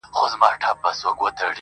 په جهان جهان غمو یې ګرفتار کړم!.